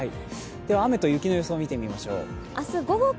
雨と雪の予想を見てみましょうか。